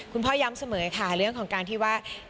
พ่อย้ำเสมอค่ะเรื่องของการที่ว่า